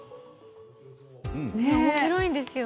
おもしろいんですよ。